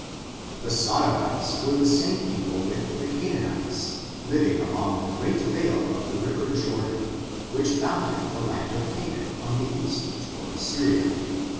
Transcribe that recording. The Sodomites were the same people with the Canaanites, living along the great vale of the river Jordan, which bounded the land of Canaan on the east toward Syria.